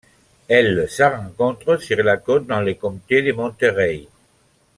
Elle se rencontre sur la côte dans le comté de Monterey.